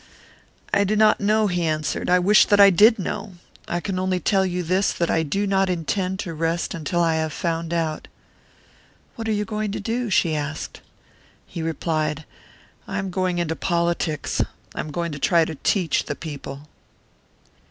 "I do not know," he answered. "I wish that I did know. I can only tell you this, that I do not intend to rest until I have found out." "What are you going to do?" she asked. He replied: "I am going into politics. I am going to try to teach the people."